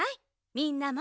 みんなも！